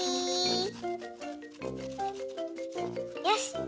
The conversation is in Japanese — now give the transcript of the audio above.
よし！